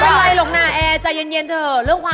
เฮ้ยอะไรกันน่ะ